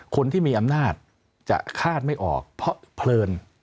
คนที่มีอำนาจจะคาดไม่ออกเพราะเพลิน